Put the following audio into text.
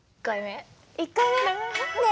１回目。